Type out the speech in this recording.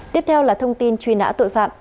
tiếp theo là thông tin truy nã tội phạm